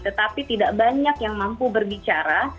tetapi tidak banyak yang mampu berbicara